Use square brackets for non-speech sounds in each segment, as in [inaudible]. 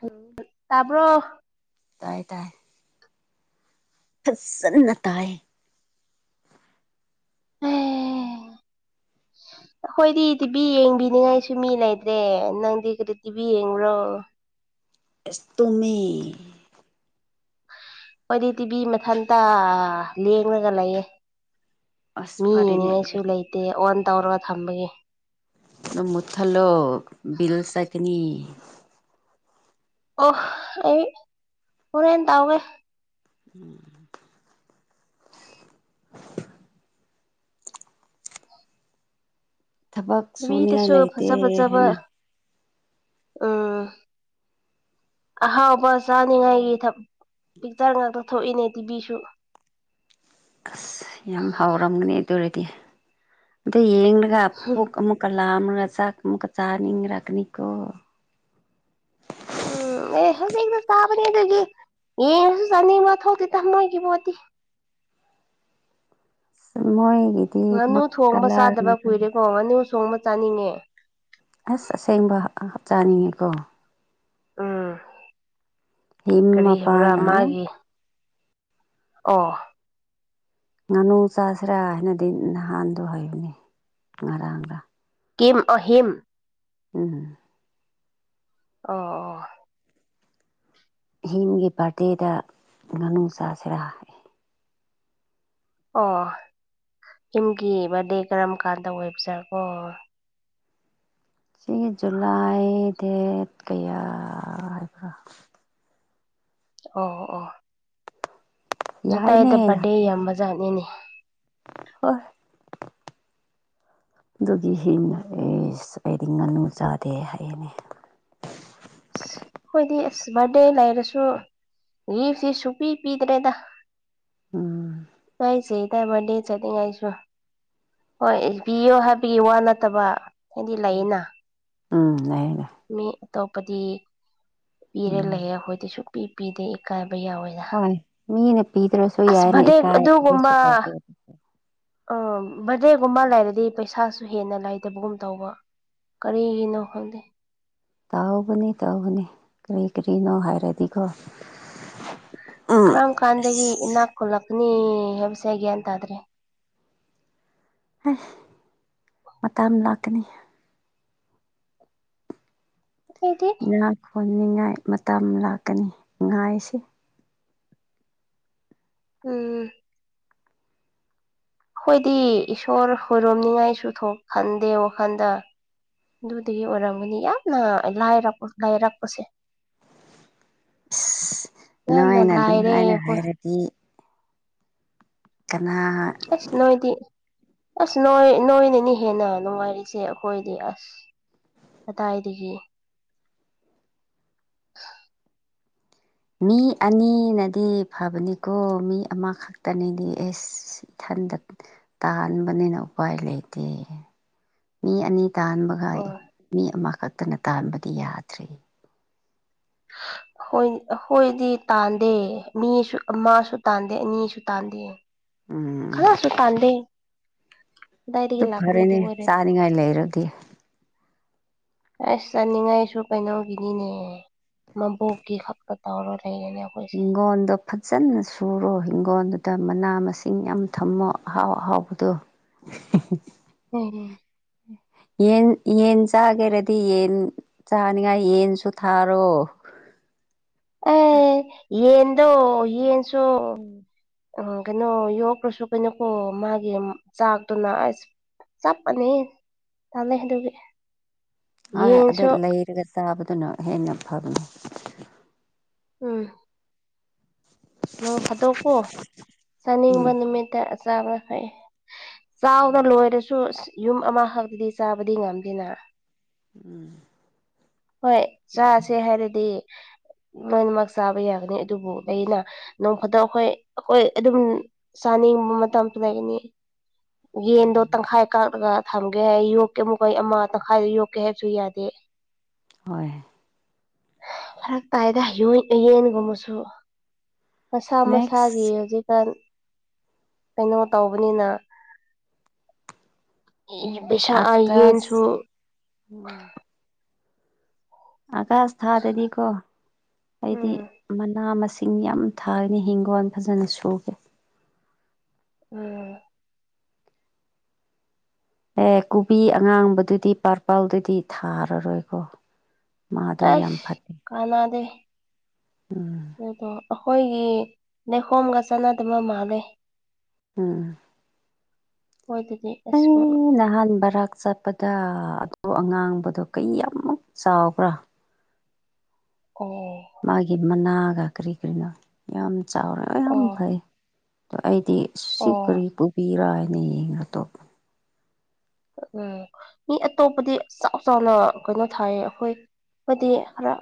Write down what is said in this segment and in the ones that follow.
ꯎꯝ ꯇꯥꯕ꯭ꯔꯣ ꯇꯥꯏ ꯇꯥꯏ ꯐꯖꯅ ꯇꯥꯏ ꯈꯣꯏꯗꯤ ꯇꯤꯚꯤ ꯌꯦꯡꯕꯤꯅꯤꯉꯥꯏꯁꯨ ꯃꯤ ꯂꯩꯇ꯭ꯔꯦ ꯅꯪꯗꯤ ꯀꯔꯤ ꯇꯤꯚꯤ ꯌꯦꯡꯕ꯭ꯔꯣ ꯏꯁ ꯇꯨꯝꯃꯤ ꯈꯣꯏꯗꯤ ꯇꯤꯚꯤ ꯃꯊꯟꯇ ꯂꯦꯡꯉꯒ ꯂꯩꯌꯦ ꯑꯁ ꯃꯤ ꯐꯔꯦꯅꯦ ꯌꯦꯡꯅꯤꯡꯉꯥꯏꯁꯨ ꯑꯗꯨ ꯂꯩꯇꯦ ꯑꯣꯟ ꯇꯧꯔꯒ ꯊꯝꯕꯒꯤ ꯗꯣ ꯃꯨꯠꯊꯠꯂꯣ ꯕꯤꯜ ꯆꯠꯀꯅꯤ ꯑꯣ ꯑꯩ ꯍꯣꯔꯦꯟ ꯇꯧꯒꯦ ꯎꯝ ꯊꯕꯛ ꯁꯨꯅꯤꯡꯉꯥꯏ ꯅꯨꯄꯤꯗꯁꯨ ꯂꯩꯇꯦ ꯐꯖ ꯐꯖꯕ ꯍꯥꯏꯅ ꯎꯝ ꯑꯍꯥꯎꯕ ꯆꯥꯅꯤꯡꯉꯥꯏꯒꯤ ꯊꯞ ꯄꯤꯛꯆꯔ ꯉꯥꯛꯇ ꯊꯣꯛꯏꯅꯦ ꯇꯤꯚꯤꯁꯨ ꯑꯁ ꯌꯥꯝ ꯍꯥꯎꯔꯝꯒꯅꯤ ꯑꯗꯨꯑꯣꯏꯔꯗꯤ ꯑꯗꯨꯣ ꯌꯦꯡꯂꯒ ꯄꯨꯛ ꯑꯃꯨꯛ ꯃ ꯀ ꯂꯥꯃꯒ ꯆꯥꯛ ꯃꯨꯀ ꯆꯥꯅꯤ ꯔꯥ ꯀꯅꯤꯀꯣ ꯎꯝ ꯑꯦ ꯍꯧꯖꯤꯛꯛꯇ ꯇꯥꯕꯅꯦ ꯑꯗꯨꯒꯤ ꯌꯦꯡꯉꯁꯨ ꯆꯥꯅꯤꯡꯕ ꯊꯣꯛꯇꯤ ꯇꯃꯣꯏꯒꯤ ꯄꯣꯠꯇꯤ ꯃꯣꯏꯒꯤ ꯉꯥꯅꯨ ꯊꯣꯡꯕ ꯆꯥꯗꯕ ꯀꯨꯏꯔꯦꯀꯣ ꯉꯥꯅꯨ ꯊꯣꯡꯕ ꯆꯥꯅꯤꯡꯉꯦ ꯑꯁ ꯑꯁꯦꯡꯕꯞ ꯆꯥꯅꯤꯡꯉꯀꯣ ꯎꯝ ꯍꯤꯝ ꯀꯔꯤ ꯍꯥꯏꯕ꯭ꯔꯥ ꯃꯄꯥꯅ ꯃꯥꯒꯤ ꯑꯣ ꯉꯥꯅꯨ ꯆꯥꯁꯤꯔꯥ ꯍꯥꯏꯅꯗꯤ ꯅꯍꯥꯟꯗꯣ ꯍꯩꯕꯅꯤ ꯉꯔꯥꯡꯒ ꯀꯝ ꯑꯍꯤꯝ ꯎꯝ ꯑꯣ ꯑꯣ ꯑꯍꯤꯡꯒꯤ ꯕꯥꯔꯗꯦꯗ ꯉꯥꯅꯨ ꯆꯥꯁꯤꯔꯥ ꯑꯣ ꯌꯨꯝꯒꯤ ꯕꯥꯔꯗꯦ ꯀꯔꯝ ꯀꯥꯟꯗ ꯑꯣꯏꯕꯖꯥꯠ ꯑꯣ ꯁꯤ ꯖꯨꯂꯥꯏ ꯗꯦꯠ ꯀꯌꯥ ꯍꯥꯏꯕ꯭ꯔꯣ ꯑꯣ ꯑꯣ ꯌꯥꯏꯅꯦ ꯖꯨꯂꯥꯏꯗ ꯕꯥꯔꯗꯦ ꯌꯥꯝꯕꯖꯥꯠꯅꯤꯅꯦ ꯍꯣꯏ ꯑꯗꯨꯒꯤ ꯍꯦꯟꯅ ꯑꯦ ꯍꯥꯏꯗꯤ ꯉꯥꯅꯨ ꯆꯥꯗꯦ ꯍꯥꯏꯌꯦꯅꯦ ꯑꯩꯣꯏꯗꯤ ꯑꯁ ꯕꯥꯔꯗꯦ ꯂꯩꯔꯁꯨ ꯒꯤꯐꯇꯤ ꯁꯨꯄꯤ ꯄꯤꯗ꯭ꯔꯦꯗ ꯎꯝ ꯀꯥꯏꯁꯦ ꯆ ꯃꯅꯤ ꯆꯠꯅꯤꯡꯉꯥꯏꯁꯨ ꯍꯣꯏ ꯄꯕꯤꯌꯣ ꯍꯥꯏꯕꯒꯤ ꯋꯥ ꯅꯠꯇꯕ ꯍꯥꯏꯗꯤ ꯂꯩꯌꯦꯅ ꯎꯝ ꯂꯩꯅꯦ ꯃꯤ ꯑꯇꯣꯞ ꯄꯗꯤ ꯄꯤꯔ ꯎꯝ ꯂꯩꯌꯦ ꯑꯩꯈꯣꯏꯗꯤ ꯁꯨꯛꯄꯤ ꯄꯤꯗꯦ ꯏꯀꯥꯏꯕ ꯌꯥꯎꯋꯦꯗ ꯍꯣꯏ ꯃꯤꯅ ꯄꯤꯗ꯭ꯔꯁꯨ ꯑꯁ ꯌꯥꯏꯅ ꯕꯥꯔꯗꯦ ꯏꯀꯥꯏ ꯀꯩꯁꯨꯧꯗꯦ ꯑ ꯕꯔꯗꯦꯒꯨꯝꯕ ꯂꯩꯔꯗꯤ ꯄꯩꯁꯥꯁꯨ ꯍꯦꯟꯅ ꯂꯩꯥꯏꯇꯕꯒꯨꯝ ꯇꯧꯕ ꯀꯔꯤꯒꯤꯅꯣ ꯈꯪꯗꯦ ꯇꯥꯎꯒꯅꯤ ꯇꯧꯕꯅꯤ ꯀꯔꯤ ꯀꯔꯤꯅꯣ ꯍꯥꯏꯔꯗꯤꯀꯣ ꯎꯝ ꯀꯔꯝ ꯀꯥꯟꯗꯒꯤ ꯏꯅꯥꯛ ꯈꯨꯜꯂꯛꯀꯅꯤ ꯍꯥꯏꯕꯁꯦꯒꯌꯥꯟ ꯇꯗ꯭ꯔꯦ ꯍꯥꯏ ꯃꯇ ꯑꯃ ꯂꯥꯛꯀꯅꯤ ꯑꯩꯗꯤ ꯉꯥ ꯈꯣꯟꯅꯤꯡꯉꯥꯏ ꯃꯇꯝ ꯂꯥꯛꯀꯅꯤ ꯉꯥꯏꯁꯤ ꯎꯝ ꯑꯩꯈꯣꯏꯗꯤ ꯏꯁꯣꯔ ꯍꯔꯣꯝꯅꯤꯉꯥꯏꯁꯨ ꯈꯟꯗꯦ ꯋꯥꯈꯟꯗ ꯑꯗꯨꯗꯒꯤ ꯑꯣꯏꯔꯝꯒꯅꯤ ꯌꯥꯝꯅ ꯂꯥꯏꯔꯛꯄ ꯂꯥꯏꯔꯛꯄꯁꯦ ꯑꯁ ꯌꯥꯝꯅ ꯅꯣꯏꯅ ꯑꯗꯨꯝ ꯂꯥꯏꯔꯦ ꯍꯥꯏꯅ ꯍꯣꯏ ꯍꯥꯏꯔꯗꯤ ꯀꯅꯥ ꯑꯁ ꯅꯣꯏꯗꯤ ꯑꯁ ꯅꯣꯏ ꯅꯣꯏꯅꯅꯤ ꯍꯦꯟꯅ ꯅꯨꯡꯉꯥꯏꯔꯤꯁꯦ ꯑꯩꯈꯣꯏꯗꯤ ꯑꯁ ꯃꯇꯏꯗꯒꯤ [inaudible] ꯃꯤ ꯑꯅꯤꯅꯗꯤ ꯐꯕꯅꯤꯀꯣ ꯃꯤ ꯑꯃꯈꯛꯇꯅꯤꯗꯤ ꯑꯦꯁ ꯏꯊꯟꯗ ꯇꯥꯟꯕꯅꯤꯅ ꯎꯄꯥꯏ ꯂꯩꯇꯦ ꯃꯤ ꯑꯅꯤ ꯇꯥꯟꯕ ꯍꯣꯏ ꯃꯤ ꯑꯃꯈꯛꯇꯅ ꯇꯥꯟꯕꯗꯤ ꯌꯥꯗ꯭ꯔꯤ [inaudible] ꯈꯣꯏ ꯑꯩꯈꯣꯏꯗꯤ ꯇꯥꯟꯗꯦ ꯃꯤꯁꯨ ꯑꯃꯁꯨ ꯇꯥꯟꯗꯦ ꯑꯅꯤꯁꯨ ꯇꯥꯟꯗꯦ ꯎꯝ ꯈꯔꯁꯨ ꯇꯥꯟꯗꯦ ꯀꯗꯥꯏꯗꯒꯤ ꯂꯥꯛꯒꯅꯤ ꯑꯗꯨ ꯑꯣꯏꯔꯗꯤ ꯆꯠꯅꯤꯡꯉꯥꯏ ꯂꯩꯔꯒꯦ ꯑꯁ ꯆꯥꯅꯤꯡꯉꯥꯏꯁꯨ ꯀꯩꯅꯣꯒꯤꯅꯤꯅꯦ ꯃꯕꯣꯛꯀꯤ ꯈꯛꯇ ꯇꯧꯔ ꯂꯩꯔꯦꯅꯦ ꯑꯩꯈꯣꯏꯁꯦ ꯍꯤꯡꯒꯣꯟꯗꯣ ꯐꯖꯅ ꯁꯨꯔꯣ ꯍꯤꯡꯒꯣꯜꯗꯨꯗ ꯃꯅꯥ ꯃꯁꯤꯡ ꯌꯥꯝ ꯊꯝꯃꯣ ꯑꯍꯥꯎ ꯑꯍꯥꯎꯕꯗꯨ [unintelligible] ꯑꯝ ꯑꯝ ꯌꯦꯟ ꯌꯦꯟ ꯆꯥꯒꯦꯔꯗꯤ ꯌꯦꯟ ꯆꯥꯅꯤꯡꯉꯥꯏ ꯌꯦꯟꯁꯨ ꯊꯥꯔꯣ ꯑꯦ ꯌꯦꯟꯗꯣ ꯌꯦꯟꯁꯣ ꯎꯝ ꯀꯩꯅꯣ ꯌꯣꯛꯈ꯭ꯔꯁꯨ ꯀꯩꯅꯣꯀꯣ ꯃꯥꯒꯤ ꯆꯥꯛꯇꯨꯅ ꯑꯁ ꯆꯞ ꯃꯥꯟꯅꯩ ꯊꯝꯃꯦ ꯑꯗꯨꯒꯤ ꯍꯣꯏ ꯑꯗ ꯌꯦꯟꯁꯨ ꯂꯩꯔꯒ ꯆꯥꯕꯗꯨꯅ ꯍꯦꯟꯅ ꯐꯕꯅꯦ ꯎꯝ ꯅꯣꯡ ꯐꯥꯗꯣꯛꯒꯣ ꯎꯝ ꯆꯥꯅꯤꯡꯕ ꯅꯨꯃꯤꯠꯇ ꯑꯆꯥꯕ ꯐꯩ ꯆꯥꯎꯅ ꯂꯣꯏꯔꯁꯨ ꯌꯨꯝ ꯑꯃꯈꯛꯇꯗꯤ ꯆꯥꯕꯗꯤ ꯉꯝꯗꯦꯅ ꯎꯝ ꯍꯣꯏ ꯆꯥꯁꯦ ꯍꯥꯏꯔꯗꯤ ꯂꯣꯏꯅꯃꯛ ꯆꯥꯕ ꯌꯥꯒꯅꯤ ꯑꯗꯨꯕꯨ ꯑꯩꯅ ꯅꯣꯡ ꯐꯥꯗꯣꯛ ꯑꯩꯈꯣꯏ ꯑꯩꯈꯣꯏ ꯑꯗꯨꯝ ꯆꯥꯅꯤꯡꯕ ꯃꯇꯝꯁꯨ ꯂꯩꯒꯅꯤ ꯌꯦꯟꯗꯣ ꯎꯝ ꯇꯪꯈꯥꯏ ꯀꯥꯛꯑꯒ ꯊꯝꯒꯦ ꯍꯥꯏ ꯌꯣꯛꯀꯦ ꯑꯃꯨꯛꯀ ꯑꯩ ꯑꯃ ꯍꯥꯢꯔꯨꯢ ꯌꯣꯛꯀꯦ ꯍꯥꯏꯕꯁꯨ ꯌꯥꯗꯦ ꯍꯣꯏ ꯐꯥꯔꯛ ꯇꯥꯏꯗ ꯌꯦꯟꯒꯨꯝꯕꯁꯨ ꯃꯁꯥ ꯃꯁꯥꯒꯤ ꯅꯦꯛꯁ ꯍꯧꯖꯤꯛꯀꯥꯟ ꯀꯩꯅꯣ ꯇꯧꯕꯅꯤꯅ ꯄꯩꯁꯥ ꯑꯥ ꯌꯦꯟꯁꯨ ꯑꯀꯥꯁ ꯎꯝ ꯑꯒꯥꯁ ꯊꯥꯗꯗꯤꯀꯣ ꯑꯩꯗꯤ ꯎꯝ ꯃꯅꯥ ꯃꯁꯤꯡ ꯁꯤꯡ ꯌꯥꯝ ꯊꯥꯒꯅꯤ ꯍꯤꯡꯒꯣꯜ ꯐꯖꯅ ꯁꯨꯒꯦ ꯎꯝ ꯑꯦ ꯀꯣꯕꯤ ꯑꯉꯥꯡꯕꯗꯨꯗꯤ ꯄꯔꯄꯥꯜꯗꯗꯤ ꯊꯥꯔꯔꯣꯏꯀꯣ ꯃꯥꯗꯣ ꯌꯥꯝ ꯐꯠ ꯀꯅꯥꯗꯦ ꯎꯝ ꯑꯗꯣ ꯑꯩꯈꯣꯏꯒꯤ ꯂꯩꯈꯣꯝꯒ ꯆꯥꯟꯅꯗꯕ ꯃꯥꯜꯂꯦ ꯎꯝ ꯃꯣꯢꯗꯨꯗꯤ ꯑꯩ ꯅꯍꯥꯟ ꯕꯔꯥꯛ ꯆꯠꯄ ꯗ ꯑꯗꯣ ꯑꯉꯥꯡꯕꯗꯣ ꯀꯩ ꯌꯥꯝꯃꯨꯛ ꯆꯥꯎꯕ꯭ꯔꯥ ꯑꯣ ꯃꯥꯒꯤ ꯃꯅꯥꯒ ꯀꯔꯤ ꯀꯔꯤꯅꯣ ꯌꯥꯝ ꯆꯥꯎꯔꯦ ꯌꯥꯝ ꯑꯣ ꯐꯩ ꯑꯗꯣ ꯑꯩꯗꯤ ꯁꯤ ꯑꯣ ꯀꯔꯤ ꯄꯨꯕꯤꯔꯥ ꯍꯥꯏꯅ ꯌꯦꯡꯉꯥꯒ ꯇꯣꯛꯄꯅꯦ ꯎꯝ ꯃꯤ ꯑꯇꯣꯞꯄꯗꯤ ꯆꯥꯎ ꯆꯥꯎꯅ ꯀꯩꯅꯣ ꯊꯥꯏꯌꯦ ꯑꯩꯈꯣꯏ ꯑꯩꯈꯣꯏꯗꯤ ꯈꯔ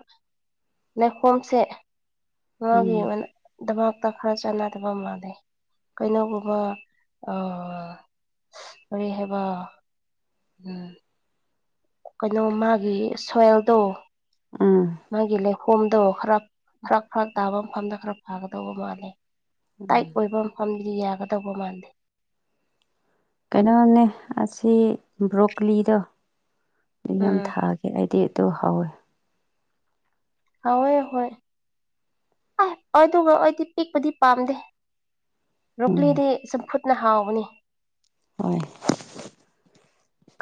ꯂꯩꯈꯣꯝꯁꯦ ꯉꯥꯒꯤ ꯎꯝ ꯗꯃꯛꯇ ꯈꯔ ꯆꯥꯟꯅꯗꯕ ꯃꯥꯜꯂꯦ ꯀꯩꯅꯣꯒꯨꯝꯕ ꯑꯥ ꯀꯔꯤ ꯍꯥꯏꯕ ꯎꯝ ꯀꯩꯅꯣ ꯃꯥꯒꯤ ꯁꯣꯏꯜꯗꯣ ꯎꯝ ꯃꯥꯒꯤ ꯂꯩꯈꯣꯝꯗꫭ ꯈꯔ ꯐꯔꯛ ꯐꯔꯛ ꯇꯥꯕ ꯃꯐꯝꯗ ꯈꯔ ꯐꯥꯒꯗꯧꯕ ꯃꯥꯜꯂꯦ ꯇꯥꯏꯠ ꯑꯣꯏꯕ ꯃꯐꯝꯗꯨꯗꯤ ꯌꯥꯒꯗꯧꯕ ꯃꯥꯟꯗꯦ ꯀꯩꯅꯣꯝꯅꯦ ꯑꯁꯤ ꯕ꯭ꯔꯣꯀꯂꯤꯗꯣ ꯑꯗꯨ ꯌꯥꯝ ꯎꯝ ꯊꯥ ꯑꯦ ꯑꯩꯗꯤ ꯑꯗꯨ ꯍꯥꯎꯋꯦ ꯍꯥꯎꯋꯦ ꯍꯣꯏ ꯑ ꯑꯗꯨ ꯑꯩꯗꯤ ꯄꯤꯛꯄꯗꯤ ꯄꯥꯝꯗꯦ ꯎꯝ ꯕꫭꯛꯀꯂꯤꯗꯤ ꯆꯝꯐꯨꯠꯅ ꯍꯥꯎꯕꯅꯤ ꯍꯣꯏ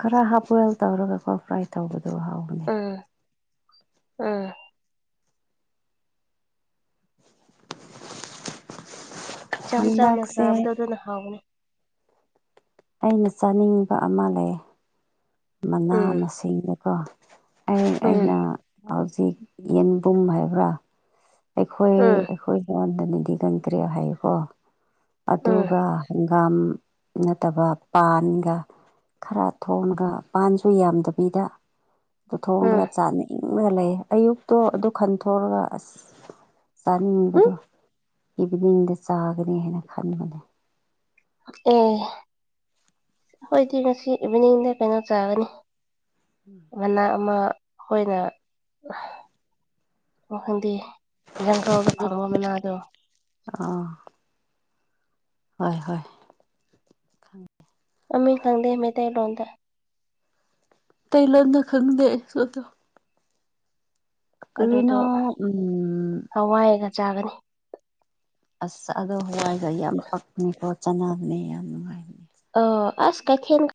ꯈꯔ ꯍꯥꯞ ꯕꫭꯏꯜ ꯇꯧꯔꯒꯀꯣ ꯐ꯭ꯔꯥꯏ ꯇꯧꯕꯗꯣ ꯍꯥꯎꯕꯅꯦ ꯎꯝ ꯎꯝ ꯏꯆꯝ ꯆꯝꯅ ꯍꯟꯗꯛꯁꯦ ꯆꯥꯕꯗꯣ ꯑꯗꯨꯅ ꯍꯥꯎꯕꯅꯤ ꯑꯩꯅ ꯆꯥꯅꯤꯡꯕ ꯑꯃ ꯂꯩꯌꯦ ꯃꯅꯥ ꯎꯝ ꯃꯁꯤꯡꯗꯀꯣ ꯑꯩ ꯎꯝ ꯑꯩꯅ ꯍꯧꯖꯤꯛ ꯌꯦꯟꯕꯨꯝ ꯍꯥꯏꯕ꯭ꯔꯥ ꯑꯩꯈꯣꯏ ꯎꯝ ꯑꯩꯈꯣꯏ ꯌꯣꯟꯗꯅꯗꯤ ꯀꯟꯗ꯭ꯔꯦ ꯍꯥꯏꯀꯣ ꯎꯝ ꯑꯗꯨꯒ ꯍꯪꯒꯥꯝ ꯅꯠꯇꯕ ꯄꯥꯟꯒ ꯈꯔ ꯊꯣꯡꯉꯒ ꯄꯥꯟꯁꯨ ꯌꯥꯝꯗꯕꯤꯗ ꯑꯗꯨ ꯎꯝ ꯊꯣꯡꯂꯒ ꯆꯥꯅꯤꯡꯉꯒ ꯂꯩꯌꯦ ꯑꯌꯨꯛꯇꯣ ꯑꯗꯨ ꯈꯟꯊꯣꯛꯑꯒ ꯑꯁ ꯍꯨꯝ ꯆꯥꯅꯤꯡꯕꯗꯣ ꯏꯚꯤꯅꯤꯡꯗ ꯆꯥꯒꯅꯤ ꯍꯥꯏꯅ ꯈꯟꯕꯅꯦ ꯑꫭ ꯑꯈꫭꯏꯗꯤ ꯉꯁꯤ ꯏꯚꯤꯅꯤꯡꯗ ꯀꯩꯅꯣ ꯆꯥꯒꯅꯤ ꯎꯝ ꯃꯅꯥ ꯑꯃ ꯑꯩꯈꯣꯏꯅ ꯈꯪꯗꯦ ꯖꯪꯒꯜꯗ ꯐꯪꯕ ꯃꯅꯥꯗꯣ ꯑ ꯍꯣꯏ ꯍꯣꯏ ꯃꯃꯤꯡ ꯈꯪꯗꯦ ꯃꯩꯇꯩꯂꯣꯟꯗ ꯃꯩꯇꯩ ꯂꯣꯟꯗ ꯈꯪꯗꯦ ꯑꯩꯁꯨ ꯑꯗꫭ ꯑꯗꯨꯗꯣ ꯀꯔꯤꯅꫭ ꯎꯝ ꯍꯋꯥꯏꯒ ꯆꯥꯒꯅꯤ ꯑꯁ ꯑꯗꯨ ꯍꯋꯥꯏꯒ ꯌꯥꯝ ꯄꯛꯅꯤꯀꯣ ꯆꯅꯥꯒꯅꯤ ꯌꯥꯝ ꯅꯨꯡꯉꯥꯏ ꯑꯣ ꯑꯁ ꯀꯩꯊꯦꯜꯒ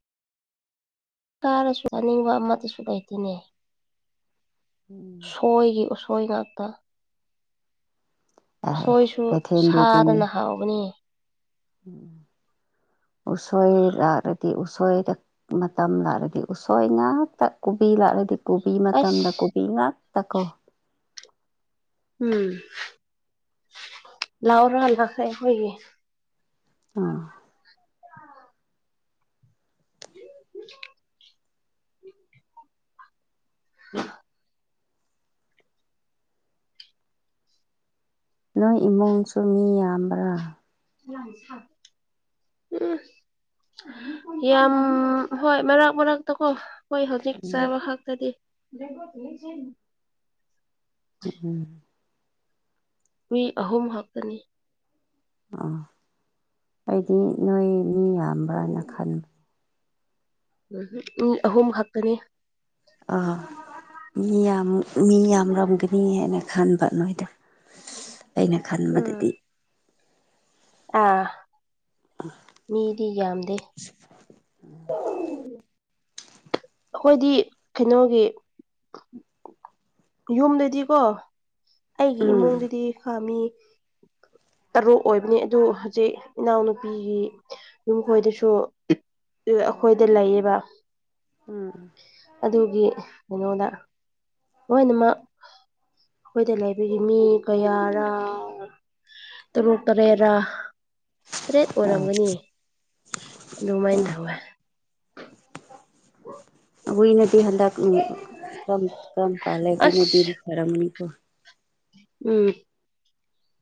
ꯀꯥꯔꯁꯨ ꯆꯥꯅꯤꯡꯕ ꯑꯃꯠꯇꯁꯨ ꯂꯩꯇꯦꯅꯦ ꯎꯝ ꯑꯣꯏꯒꯤ ꯎꯁꯣꯏ ꯉꯥꯛꯇ ꯌꯥꯏ ꯎꯁꯣꯏꯁꯨ ꯀꯩꯊꯦꯜꯗꯤ ꯑꯗꯨꯅꯤ ꯁꯥꯗꯅ ꯍꯥꯎꯕꯅꯤ ꯎꯝ ꯎꯁꯣꯏ ꯌꯥꯔꯗꯤ ꯎꯁꯣꯏꯗꫭ ꯃꯇꯝ ꯂꯥꯛꯂꯗꯤ ꯎꯁꯣꯏ ꯉꯥꯛꯇ ꯀꯣꯕꯤ ꯂꯥꯛꯂꯗꯤ ꯀꯨꯕꯤ ꯑꯁ ꯃꯇꯝꯗ ꯀꯨꯕꯤ ꯉꯥꯛꯇ ꯀꯣ ꯎꯝ ꯂꯥꯛꯑꫭꯔ ꯂꯥꯛꯈꯔꯦ ꯑꯩꯈꫭꯏꯒꯤ ꯑꯥ [unintelligible] [unintelligible] ꯅꯣꯏ ꯏꯃꯨꯡꯁꯨ ꯃꯤ ꯌꯥꯝꯕ꯭ꯔꯥ [unintelligible] ꯎꯝ ꯌꯥꯝ ꯍꯣꯏ ꯃꯔꯛ ꯃꯔꯛꯇꯀꯣ ꯍꯣꯏ ꯍꯧꯖꯤꯛ ꯎꯝ ꯆꯥꯕ ꯍꯥꯛꯇꯗꯤ ꯎ ꯎꯝ ꯃꯤ ꯑꯍꯨꯝ ꯍꯥꯇꯅꯤ ꯑꯥ ꯑꯩꯗꯤ ꯅꯣꯏ ꯃꯤ ꯌꯥꯝꯕ꯭ꯔꯥꯅ ꯈꯟꯕ ꯎꯝ ꯃꯤ ꯑꯍꯨꯝ ꯍꯥꯛꯇꯥꯅꯤ ꯑ ꯃꯤ ꯌꯥꯝ ꯃꯤ ꯌꯥꯝꯔꯝꯒꯅꯤ ꯍꯥꯏꯅ ꯈꯟꯕ ꯅꯣꯏꯗꯨ ꯑꯩꯅ ꯈꯟꯕꯗꯗꯤ ꯎꯝ ꯑꯥ ꯃꯤꯗꯤ ꯌꯥꯝꯗꯦ [unintelligible] ꯑꯩꯈꯣꯏꯗꯤ ꯀꯩꯅꯣꯒꯤ ꯌꯨꯝꯗꯗꯤꯀꯣ ꯑꯩꯒꯤ ꯎꯝ ꯏꯃꯨꯡꯗꯗꯤ ꯈꯥꯃꯤ ꯇꯔꯨꯛ ꯑꯣꯏꯕꯅꯤ ꯑꯗꯨ ꯍꯧꯖꯤꯛ ꯏꯅꯥꯎꯅꯨꯄꯤꯒꯤ ꯌꯨꯝꯈꯣꯏꯗꯁꯨ ꯑꯩꯈꯣꯏꯗ ꯂꯩꯌꯦꯕ ꯎꯝ ꯎ ꯑꯗꯨꯒꯤ ꯀꯩꯅꯣꯗ ꯂꯣꯏꯅꯃꯛ ꯑꯩꯈꯣꯏꯗ ꯂꯩꯕꯒꯤ ꯃꯤ ꯀꯌꯥꯔꯥ ꯇꯔꯨꯛ ꯇꯔꯦꯠꯔ ꯇꯔꯦꯠ ꯑꯣꯏꯔꯝꯒꯅꯤ ꯑꯗꯨꯃꯥꯏꯅ ꯇꯧꯋꯦ ꯑꯎꯏꯅꯗꯤ ꯍꯟꯗꯛ ꯎꯝ ꯇꯝ ꯀꯝ ꯄꯥꯂ ꯀꯅꯗꯤꯟ ꯑꯁ ꯈꯔꯝꯅꯤ ꯀꯣ ꯎꯝ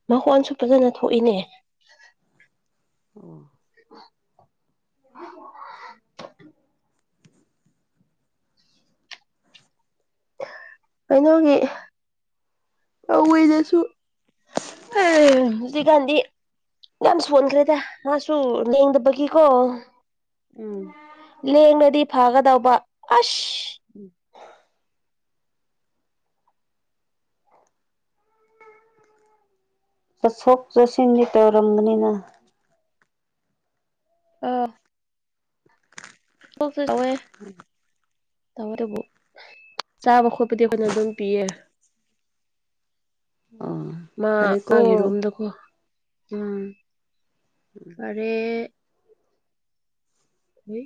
ꯃꯈꯣꯟꯁꯨ ꯐꯖꯅ ꯊꯣꯛꯏꯅꯦ ꯑꯣ [inaudible] ꯀꯩꯅꯣꯒꯤ ꯀꯧꯏꯗꯁꯨ [unintelligible] ꯍꯧꯖꯤꯛꯀꯥꯟꯗꯤ ꯌꯥꯝ ꯁꯣꯟꯈ꯭ꯔꯦꯗ ꯃꯥꯁꯨ ꯂꯦꯡꯗꯕꯒꯤꯀꯣ ꯎꯝ ꯂꯦꯡꯂꯥꯗꯤ ꯐꯥꯒꯗꯧꯕ ꯑꯁ ꯎꯝ ꯆꯠꯊꯣꯛ ꯆꯠꯁꯤꯟꯗꯤ ꯇꯧꯔꯝꯕꯅꯤꯅ ꯑꯥ ꯀꯣꯛꯁꯨ ꯇꯧꯋꯦ ꯐ ꯇꯧꯔꯦꯕꯨ ꯆꯥꯕ ꯈꯣꯠꯄꯗꯤ ꯑꯩꯈꯣꯏꯅ ꯑꯗꯨꯝ ꯄꯤꯌꯦ ꯑꯣ ꯃꯥ ꯃꯥ ꯐꯔꯦꯀꯣ ꯔꯣꯝꯗꯀꯣ ꯎꯝ ꯐꯔꯦ ꯋꯤ